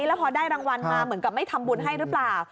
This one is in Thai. แล้วพอได้รางวัลมาเหมือนกับไม่ทำบุญให้หรือเปล่า